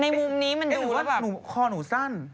มุมนี้มันดูแล้วแบบหนูคอหนูสั้น